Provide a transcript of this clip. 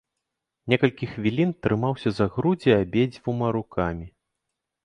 Некалькі хвілін трымаўся за грудзі абедзвюма рукамі.